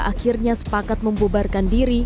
akhirnya sepakat membubarkan diri